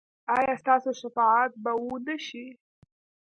ایا ستاسو شفاعت به و نه شي؟